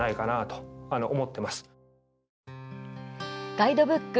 ガイドブック